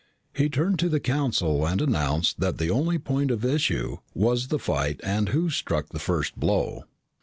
He turned to the Council and announced that the only point of issue was the fight and who struck the first blow.